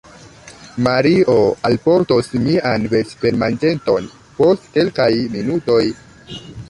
Mario alportos mian vespermanĝeton post kelkaj minutoj.